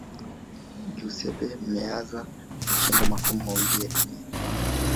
giuseppe meazza ameshinda makombe mawili ya dunia